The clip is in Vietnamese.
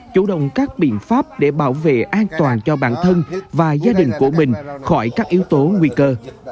chủ động các biện pháp để bảo vệ an toàn cho bản thân và gia đình của mình khỏi các yếu tố nguy cơ